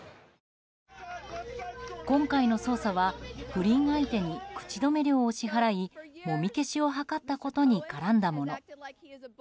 今回の捜査は不倫相手に口止め料を支払いもみ消しを図ったことに絡んだもの。